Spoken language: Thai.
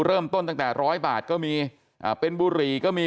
ตั้งแต่ร้อยบาทก็มีเป็นบุหรี่ก็มี